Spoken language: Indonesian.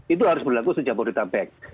itu harus berlaku sejak modul tambang